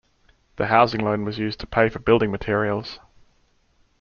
The housing loan was used to pay for building materials.